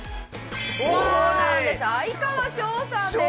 そうなんです哀川翔さんです。